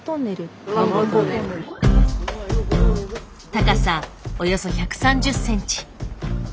高さおよそ１３０ｃｍ。